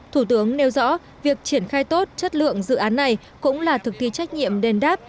thủ tướng nêu rõ việc triển khai tốt chất lượng dự án này cũng là thực thi trách nhiệm đền đáp